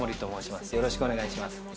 よろしくお願いします。